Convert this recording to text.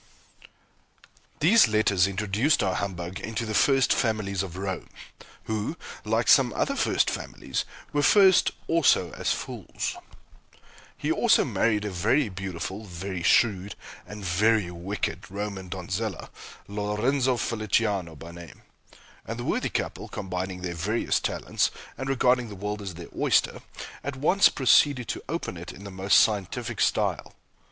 These letters introduced our humbug into the first families of Rome; who, like some other first families, were first also as fools. He also married a very beautiful, very shrewd, and very wicked Roman donzella, Lorenza Feliciani by name; and the worthy couple, combining their various talents, and regarding the world as their oyster, at once proceeded to open it in the most scientific style.